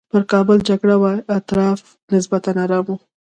پر کابل جګړه وه اطراف نسبتاً ارام وو.